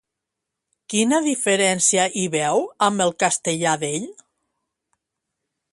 Quina diferència hi veu amb el castellà d'ell?